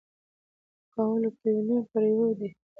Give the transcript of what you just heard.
پاولو کویلیو په ریو ډی جنیرو کې زیږیدلی دی.